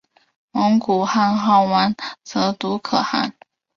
蒙古汗号完泽笃可汗。